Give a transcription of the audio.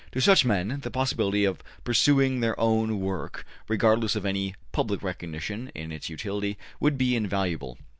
To such men, the possibility of pursuing their own work regardless of any public recognition of its utility would be invaluable.